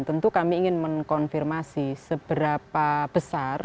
tentu kami ingin mengkonfirmasi seberapa besar